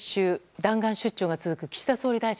弾丸出張が続く岸田総理大臣。